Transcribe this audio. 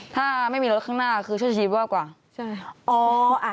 ถ้าไม่มีรถข้างหน้าคือช่วยชีวิตมากกว่าใช่